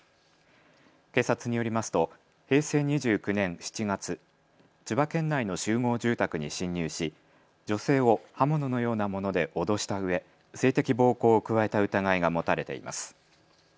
警察によりますと平成２９年７月、千葉県内の集合住宅に侵入し女性を刃物のようなもので脅したうえ、性的暴行を加えた疑いが持たれています。